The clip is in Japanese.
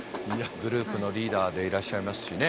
グループのリーダーでいらっしゃいますしね。